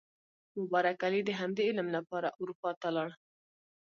مبارک علي د همدې علم لپاره اروپا ته لاړ.